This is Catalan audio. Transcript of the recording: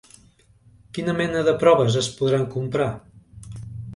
Quina mena de proves es podran comprar?